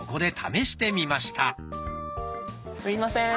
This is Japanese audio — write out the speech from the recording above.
すいません。